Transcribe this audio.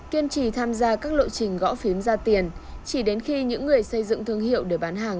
kiên trì tham gia các lộ trình gõ phiếm ra tiền chỉ đến khi những người xây dựng thương hiệu để bán hàng